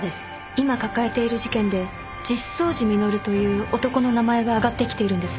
今抱えている事件で実相寺実という男の名前が上がってきているんです。